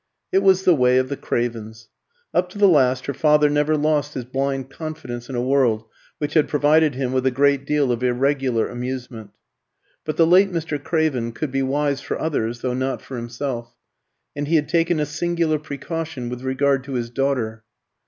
It was the way of the Cravens. Up to the last her father never lost his blind confidence in a world which had provided him with a great deal of irregular amusement. But the late Mr. Craven could be wise for others, though not for himself, and he had taken a singular precaution with regard to his daughter.